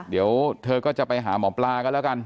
เดี๋ยวเธอก็จะไปหาหมอปลากันแล้วกัน